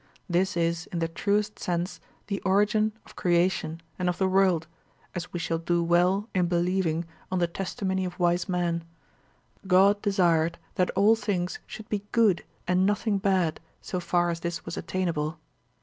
This is in the truest sense the origin of creation and of the world, as we shall do well in believing on the testimony of wise men: God desired that all things should be good and nothing bad, so far as this was attainable.